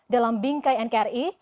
dalam bingkai nkri